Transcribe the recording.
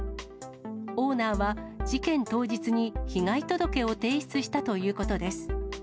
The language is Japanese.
オーナーは、事件当日に被害届を提出したということです。